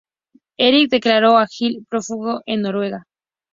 Eirík declaró a Egil prófugo en Noruega.